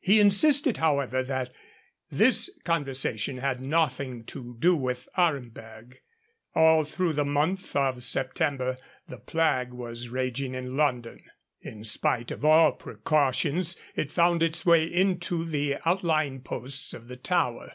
He insisted, however, that this conversation had nothing to do with Aremberg. All through the month of September the plague was raging in London. In spite of all precautions, it found its way into the outlying posts of the Tower.